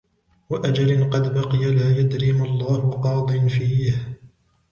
وَأَجَلٍ قَدْ بَقِيَ لَا يَدْرِي مَا اللَّهُ قَاضٍ فِيهِ